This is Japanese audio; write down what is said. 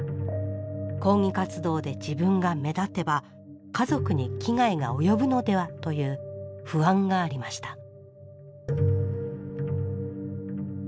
抗議活動で自分が目立てば家族に危害が及ぶのではという不安がありました。